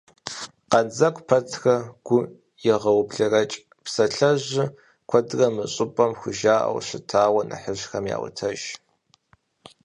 «Къандзэгу пэтрэ гу егъэублэрэкӀ» псалъэжьыр куэдрэ мы щӀыпӀэм хужаӀэу щытауэ нэхъыжьхэм яӀуэтэж.